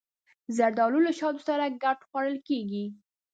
زردالو له شاتو سره ګډ خوړل کېږي.